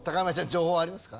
情報ありますか？